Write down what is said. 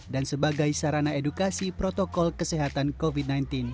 dan sebagai sarana edukasi protokol kesehatan covid sembilan belas